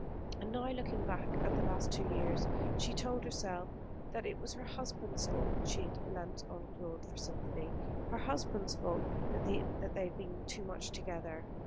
And now, looking back at the last two years, she told herself that it was her husband's fault that she had leant on Claude for sympathy, her husband's fault that they had been too much together.